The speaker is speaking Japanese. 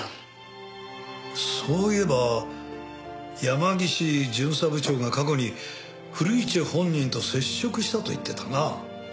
そういえば山岸巡査部長が過去に古市本人と接触したと言ってたな。